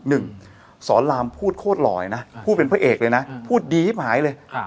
หนึ่งสอนรามพูดโคตรหล่อยนะพูดเป็นพระเอกเลยนะพูดดีที่หมาเลย